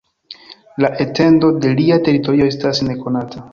La etendo de lia teritorio estas nekonata.